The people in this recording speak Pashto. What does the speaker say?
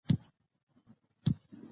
د بولان پټي د افغانانو د ژوند طرز اغېزمنوي.